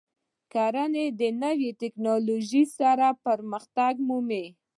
کرنه د نوې تکنالوژۍ سره پرمختګ مومي.